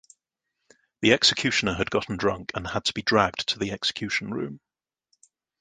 The executioner had gotten drunk and had to be dragged to the execution room.